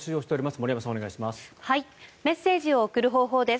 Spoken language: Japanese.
森山さん、お願いします。